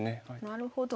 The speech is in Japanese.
なるほど。